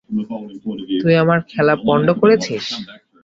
তুই আমার খেলা পন্ড করেছিস!